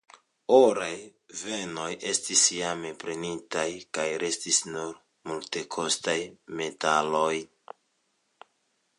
Oraj vejnoj estis jam prenitaj kaj restis nur multekostaj metaloj.